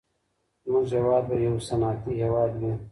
زموږ هېواد به يو صنعتي هېواد وي.